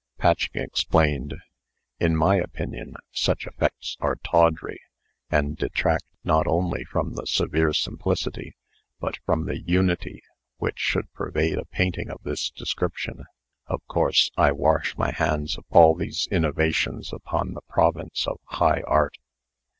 Patching explained: "In my opinion, such effects are tawdry, and detract not only from the severe simplicity, but from the UNITY which should pervade a painting of this description. Of course, I wash my hands of all these innovations upon the province of high Art."